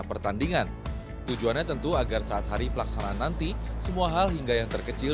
pertandingan tujuannya tentu agar saat hari pelaksanaan nanti semua hal hingga yang terkecil